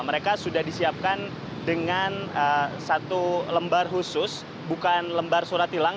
mereka sudah disiapkan dengan satu lembar khusus bukan lembar surat hilang